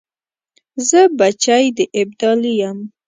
زه بچی د ابدالي یم .